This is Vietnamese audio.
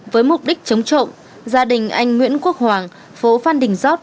với mục đích chống trộm gia đình anh nguyễn quốc hoàng phố phan đình giót